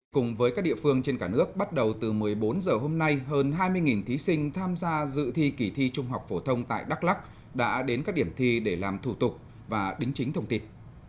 cùng với các địa phương trên cả nước bắt đầu từ một mươi bốn h hôm nay hơn hai mươi thí sinh tham gia dự thi kỳ thi trung học phổ thông tại đắk lắc đã đến các điểm thi để làm thủ tục và đính chính thông tin